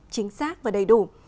chính xác và đầy đủ